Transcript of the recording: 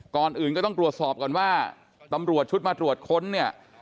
ก่อนอื่นก็ต้องตรวจสอบก่อนว่าตำรวจชุดมาตรวจค้นเนี่ย